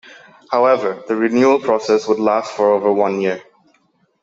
However, the renewal process would last for over one year.